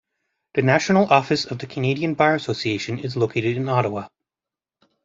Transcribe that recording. The national office of the Canadian Bar Association is located in Ottawa.